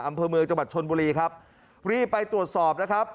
อำเภอเมืองจังหวัดชนบุรีครับรีบไปตรวจสอบนะครับ